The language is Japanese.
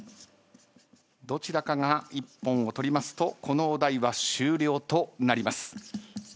どちらかが一本を取りますとこのお題は終了となります。